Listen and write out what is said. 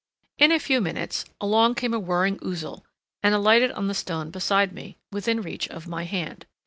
In a few minutes, along came a whirring Ouzel and alighted on the stone beside me, within reach of my hand.